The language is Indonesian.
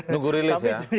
nunggu rilis ya